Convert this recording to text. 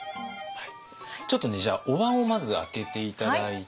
ちょっとねじゃあおわんをまず開けて頂いて。